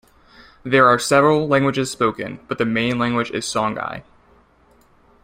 There are several languages spoken, but the main language is Songhay.